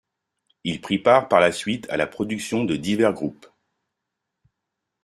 Il prit part par la suite à la production de divers groupes.